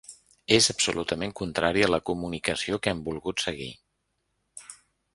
És absolutament contrari a la comunicació que hem volgut seguir.